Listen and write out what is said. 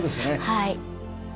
はい。